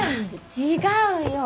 違うよ！